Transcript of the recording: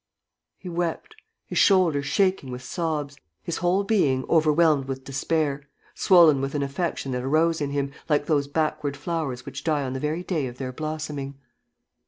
..." He wept, his shoulders shaking with sobs, his whole being overwhelmed with despair, swollen with an affection that arose in him, like those backward flowers which die on the very day of their blossoming.